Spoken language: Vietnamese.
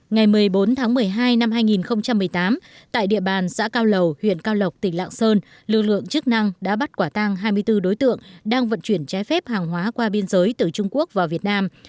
ngày một mươi bốn tháng một mươi hai năm hai nghìn một mươi tám tại địa bàn xã cao lầu huyện cao lộc tỉnh lạng sơn lực lượng chức năng đã bắt quả tang hai mươi bốn đối tượng đang vận chuyển trái phép hàng hóa qua biên giới từ trung quốc vào việt nam